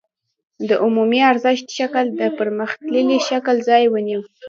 د عمومي ارزښت شکل د پرمختللي شکل ځای ونیو